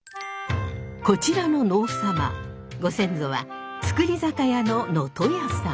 こちらの能サマご先祖は造り酒屋の能登屋さん。